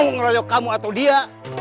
ngeroyok kamu atau dia